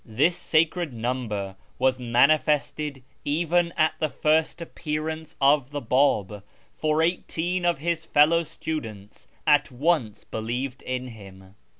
This sacred number was manifested even at the first appearance of the Bab, for eighteen of his fellow students at once believed in him.